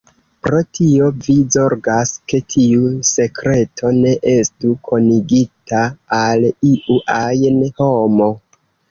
Pro tio vi zorgas, ke tiu sekreto ne estu konigita al iu ajn homo.